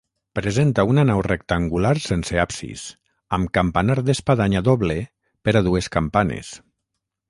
Presenta una nau rectangular sense absis, amb campanar d'espadanya doble per a dues campanes.